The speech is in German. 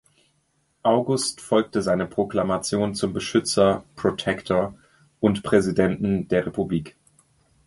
August folgte seine Proklamation zum Beschützer ("Protector") und Präsidenten der Republik.